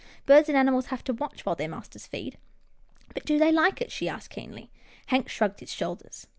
Birds and animals have to watch while their masters feed." " But do they like it? " she asked, keenly. Hank shrugged his shoulders.